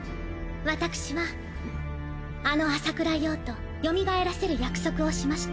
私はあの麻倉葉とよみがえらせる約束をしました。